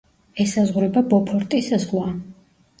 ესაზღვრება ბოფორტის ზღვა.